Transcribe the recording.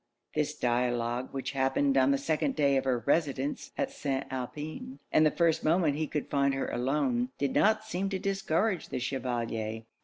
This dialogue, which happened on the second day of her residence at St. Alpin, and the first moment he could find her alone, did not seem to discourage the Chevalier.